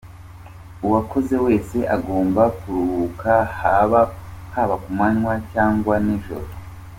Uwakoze wese agomba kuruhuka, haba ku manywa cyangwa nijoro.